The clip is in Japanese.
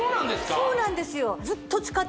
そうなんですよ